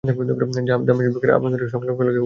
যা দামেশকের বাব আন-নাসর-এর সংলগ্ন এলাকায় অবস্থিত।